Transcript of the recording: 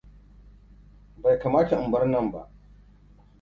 Bai kamata In bar nan ba.